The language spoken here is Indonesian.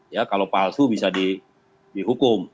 ya kalau palsu bisa dihukum